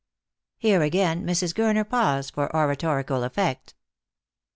Here again Mrs. Gurner paused for oratorical effect.